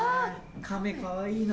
カメかわいいな。